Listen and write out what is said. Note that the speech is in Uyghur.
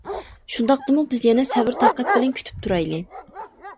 شۇنداقتىمۇ بىز يەنە سەۋر-تاقەت بىلەن كۈتۈپ تۇرايلى!